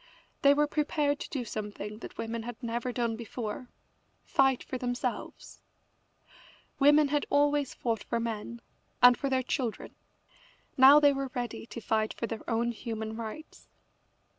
They were prepared to do something that women had never done before fight for themselves. Women had always fought for men, and for their children. Now they were ready to fight for their own human rights.